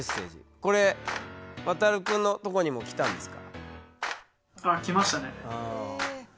これワタル君のとこにも来たんですか？